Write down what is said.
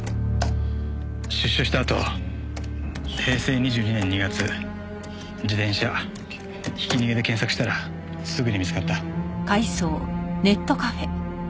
出所したあと「平成２２年２月自転車ひき逃げ」で検索したらすぐに見つかった。